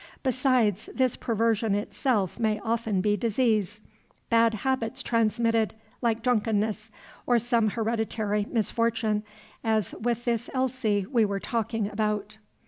Besides, this perversion itself may often be disease, bad habits transmitted, like drunkenness, or some hereditary misfortune, as with this Elsie we were talking about."